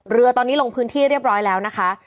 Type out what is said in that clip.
เรือตอนนี้ลงพื้นที่เรียบร้อยแล้วนะคะ